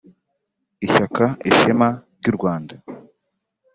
Ishyaka Ishema ry’u Rwanda